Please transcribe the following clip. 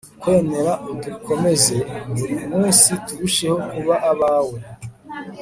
kwemera, adukomeze, buri munsi turusheho kuba abawe